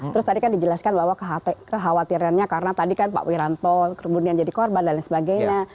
terus tadi kan dijelaskan bahwa kekhawatirannya karena tadi kan pak wiranto kemudian jadi korban dan lain sebagainya